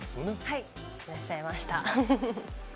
はい、いらっしゃいました。